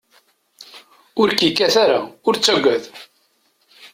Ur k-yekkat ara, ur ttaggad.